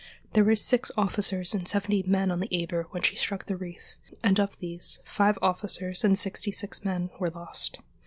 There were six officers and seventy men on the Eber when she struck the reef, and of these five officers and sixty six men were lost.